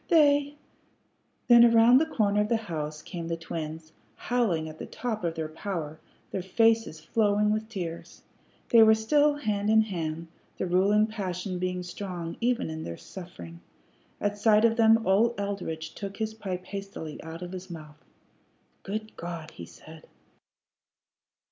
They " Then around the corner of the house came the twins, howling at the top of their power, their faces flowing with tears. They were still hand in hand, the ruling passion being strong even in this suffering. At sight of them old Eldridge took his pipe hastily out of his mouth. "Good God!" he said.